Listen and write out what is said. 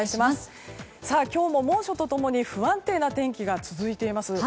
今日も猛暑と共に不安定な天気が続いています。